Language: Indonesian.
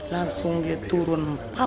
langsung dia turun